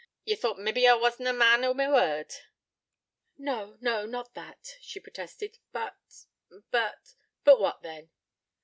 Ye thought mabbe that I was na a man o' my word.' 'No, no, not that,' she protested, 'but but ' 'But what then?'